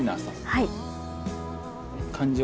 はい。